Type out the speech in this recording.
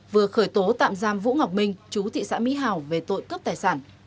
vừa khởi tố tạm giam vũ ngọc minh chú thị xã mỹ hào về tội cướp tài sản